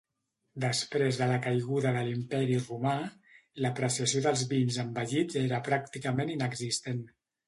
Després de la caiguda de l'Imperi Romà, l'apreciació dels vins envellits era pràcticament inexistent.